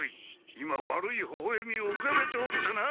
今悪いほほえみをうかべておったな？